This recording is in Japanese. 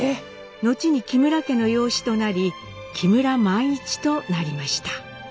後に木村家の養子となり木村萬一となりました。